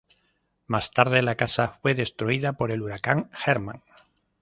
Más tarde la casa fue destruida por el Huracán Herman.